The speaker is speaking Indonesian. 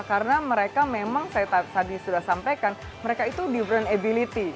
karena mereka memang saya tadi sudah sampaikan mereka itu different ability